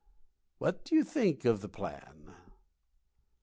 What do you think of the plan?"